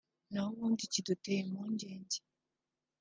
na ho ubundi kiduteye impungenge